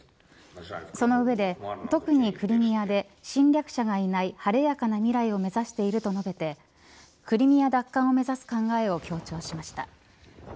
その上で、特にクリミアで侵略者がいない晴れやかな未来を目指していると述べてクリミア奪還を目指す考えを強調しました。